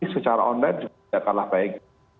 secara online juga tidak kalah baik